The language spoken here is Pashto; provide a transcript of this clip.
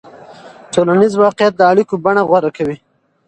ټولنیز واقعیت د اړیکو بڼه غوره کوي.